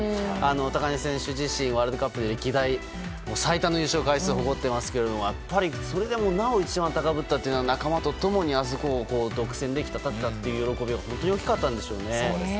高梨選手自身ワールドカップで歴代最多の優勝回数を誇っていますけどもやっぱり、それでもなお気持ちが高ぶったというのは仲間と共に表彰台を独占できた喜びが本当に大きかったんでしょうね。